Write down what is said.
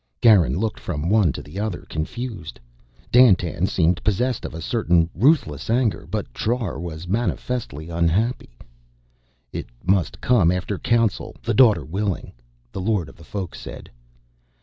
Garin looked from one to the other, confused. Dandtan seemed possessed of a certain ruthless anger, but Trar was manifestly unhappy. "It must come after council, the Daughter willing," the Lord of the Folk said.